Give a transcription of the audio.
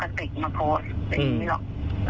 เป็นอย่างนี้หรอก